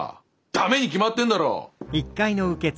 ダメに決まってんだろ！